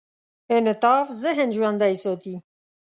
انعطاف ذهن ژوندي ساتي.